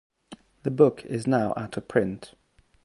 The book is now out of print.